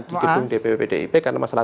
di gedung dpp pdip karena masalah